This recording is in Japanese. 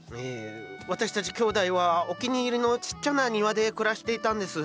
私たち兄弟はお気に入りのちっちゃな庭で暮らしていたんです。